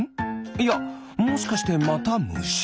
いやもしかしてまたむし？